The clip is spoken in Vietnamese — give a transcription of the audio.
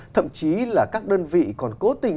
thậm chí là các đơn vị còn cố tình